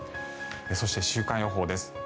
そして週間予報です。